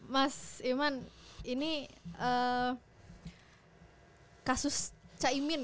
mas iman ini kasus cak emin